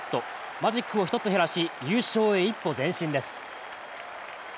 マジックを１つ減らし優勝へ一歩前進です。